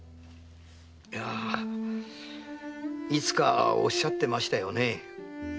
いやいつかおっしゃってましたよね。